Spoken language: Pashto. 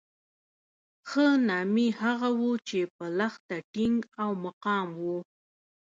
ښه نامي هغه وو چې په لښته ټینګ او مقاوم وو.